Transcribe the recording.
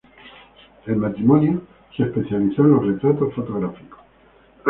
El matrimonio se especializó en los retratos fotográficos.